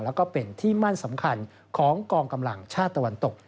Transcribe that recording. แล้วก็เป็นที่มั่นสำคัญของกองกำลังชาติตะวันตก